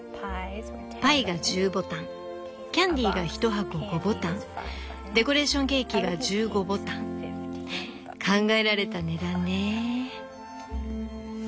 パイが１０ボタンキャンディーが１箱５ボタンデコレーションケーキが１５ボタン」考えられた値段ね。